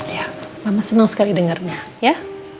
ya mama senang sekali dengarnya ya